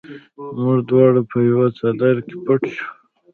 موږ دواړه په یوه څادر کې پټ شوو